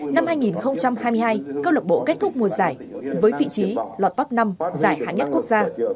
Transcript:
năm hai nghìn hai mươi hai câu lạc bộ kết thúc mùa giải với vị trí lọt top năm giải hạng nhất quốc gia